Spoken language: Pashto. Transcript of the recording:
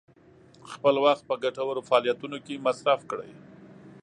خپل وخت په ګټورو فعالیتونو کې مصرف کړئ.